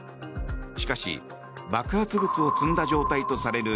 しかし爆発物を積んだ状態とされる